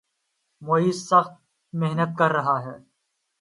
معیز سخت محنت کر رہا ہے